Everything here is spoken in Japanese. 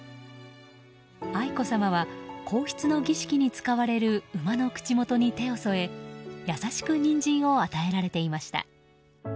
愛子さまは皇室の儀式に使われる馬の口元に手を添え優しくニンジンを与えられていました。